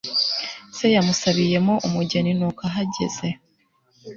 se yamusabiyemo umugeni nuko ahageze